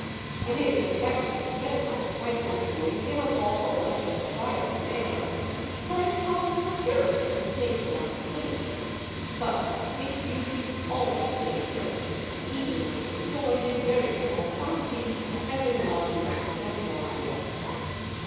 It is an excellent medicine when employed in a lawful and justifiable manner, for it calms the spirits and makes one sleep. But its use is always dangerous, even when employed in very small quantity, as in laudanum and morphia.